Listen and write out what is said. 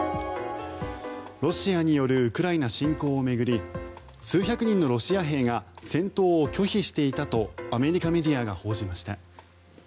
ロシアによるウクライナ侵攻を巡り数百人のロシア兵が戦闘を拒否していたとアメリカメディアが報じました。